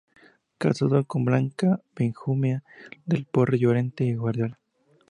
Casado con Blanca Benjumea de Porres, Llorente y Guardiola.